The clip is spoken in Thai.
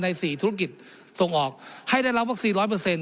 ๔ธุรกิจส่งออกให้ได้รับวัคซีน๑๐๐